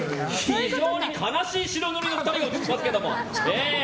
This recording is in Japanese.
非常に悲しい白塗りの２人が映ってますけど。